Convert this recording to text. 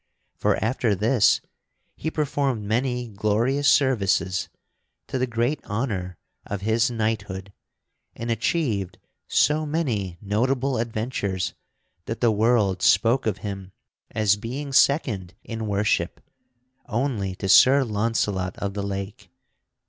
For after this he performed many glorious services to the great honor of his knighthood and achieved so many notable adventures that the world spoke of him as being second in worship only to Sir Launcelot of the Lake.